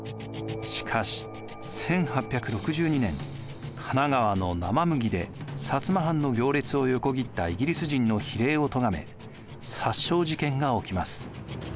しかし１８６２年神奈川の生麦で摩藩の行列を横切ったイギリス人の非礼をとがめ殺傷事件が起きます。